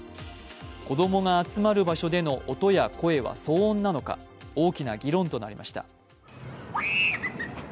子供が集まる場所での音や声は騒音なのか、大きな議論となりました。